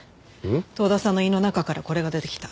遠田さんの胃の中からこれが出てきた。